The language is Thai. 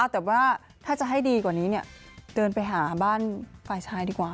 แต่ว่าถ้าจะให้ดีกว่านี้เดินไปหาบ้านฝ่ายชายดีกว่า